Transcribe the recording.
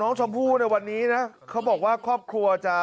น้องชมพู่ในวันนี้นะเขาบอกว่าครอบครัวจะ